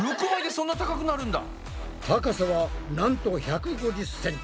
高さはなんと１５０ｃｍ！